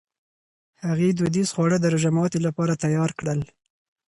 هغې دودیز خواړه د روژهماتي لپاره تیار کړل.